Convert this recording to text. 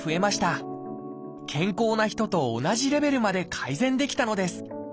健康な人と同じレベルまで改善できたのです。